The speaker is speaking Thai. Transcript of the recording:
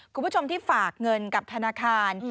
คุณผู้ชมที่ฝากเงินกับธนาคาร